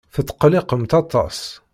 Tetqelliqemt aṭas.